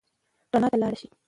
رڼا ته لاړ شئ.